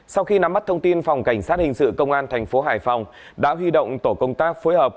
sau khi nắm bắt thông tin phòng cảnh sát hình sự công an thành phố hải phòng đã huy động tổ công tác phối hợp